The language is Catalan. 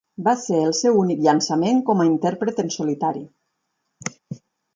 Va ser el seu únic llançament com a intèrpret en solitari.